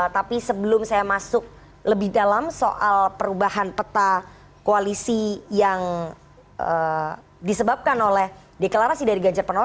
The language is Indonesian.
tapi sebelum saya masuk lebih dalam soal perubahan peta koalisi yang disebabkan oleh deklarasi dari ganjar pranowo